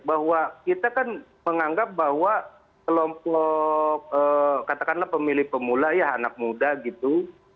bahwa kita kan menganggap bahwa kelompok katakanlah pemilih pemula ya anak muda gitu